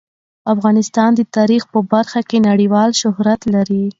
افغانستان د تاریخ په برخه کې نړیوال شهرت لري.